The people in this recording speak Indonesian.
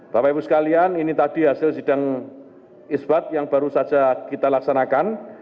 bapak ibu sekalian ini tadi hasil sidang isbat yang baru saja kita laksanakan